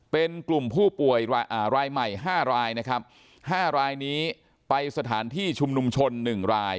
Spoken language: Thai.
เป็นกลุ่มผู้ป่วยรายใหม่๕รายนะครับ๕รายนี้ไปสถานที่ชุมนุมชน๑ราย